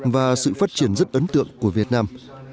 và sự phát triển rất ấn tượng của việt nam